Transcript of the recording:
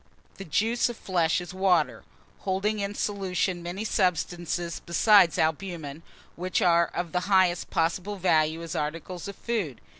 THE JUICE OF FLESH IS WATER, holding in solution many substances besides albumen, which are of the highest possible value as articles of food.